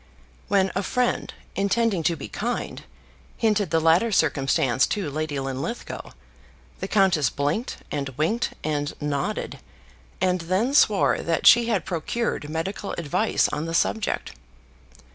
When a friend, intending to be kind, hinted the latter circumstance to Lady Linlithgow, the countess blinked and winked and nodded, and then swore that she had procured medical advice on the subject.